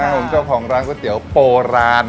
ผมเจ้าของร้านก๋วยเตี๋ยวโบราณ